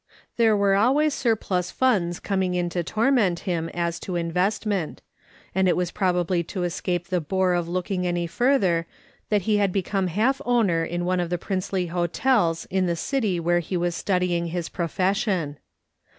There were always surplus funds coming in to torment him as to investment ; and it was probably to escape the bore of looking any further that he had become half owner in one of the princely hotels in the city where he was studying his profession.